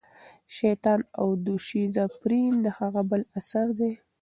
شیطان او دوشیزه پریم د هغه بل اثر دی.